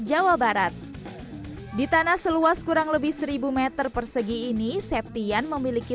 jawa barat di tanah seluas kurang lebih seribu meter persegi ini septian memiliki